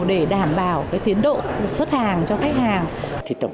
để đảm bảo tiến độ xuất hàng cho khách hàng